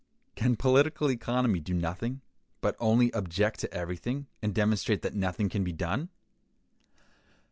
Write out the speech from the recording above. Can political economy do nothing, but only object to everything, and demonstrate that nothing can be done?